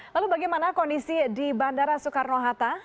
lalu bagaimana kondisi di bandara soekarno hatta